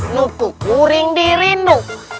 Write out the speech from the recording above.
nuku kuring diri nu